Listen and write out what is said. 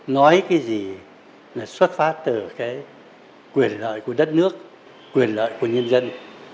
nói cái gì là xuất phát từ cái quyền lợi của đất nước quyền lợi của nhân dân